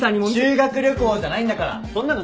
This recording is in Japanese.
修学旅行じゃないんだからそんなのないって。